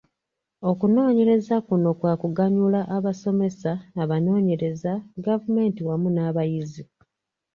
Okunoonyereza kuno kwa kuganyula abasomesa, abanoonyereza, gavumenti wamu n'abayizi.